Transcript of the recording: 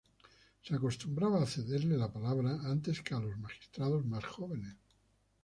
Se acostumbraba a cederle la palabra antes que a los magistrados más jóvenes.